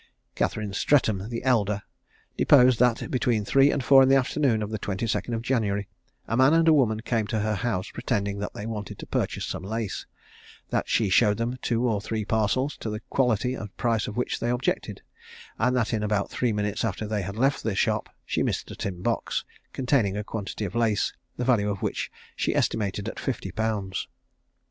Catherine Stretham, the elder, deposed that between three and four in the afternoon of the 22nd of January, a man and woman came to her house, pretending that they wanted to purchase some lace; that she showed them two or three parcels, to the quality and price of which they objected; and that in about three minutes after they had left the shop she missed a tin box, containing a quantity of lace, the value of which she estimated at fifty pounds.